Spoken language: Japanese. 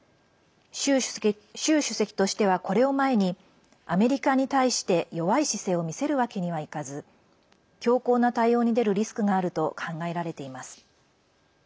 習主席としては、これを前にアメリカに対して弱い姿勢を見せるわけにはいかず強硬な対応に出るリスクがあると考えられています。